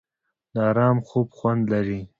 د ارام خوب خوند لري.